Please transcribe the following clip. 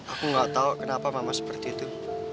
aku nggak tahu kenapa mama seperti itu